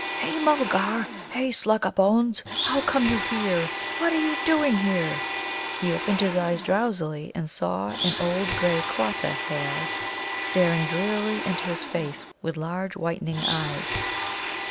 "Hey, Mulgar! hey, Slugabones! how come you here? What are you doing here?" He opened his eyes drowsily, and saw an old grey Quatta hare staring drearily into his face with large whitening eyes.